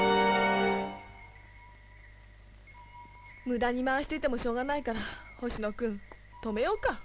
無駄に回していてもしょうがないからホシノ君止めようか？